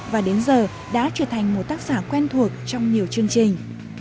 và đến giờ đã trở thành một tác giả quen thuộc trong nhiều chương trình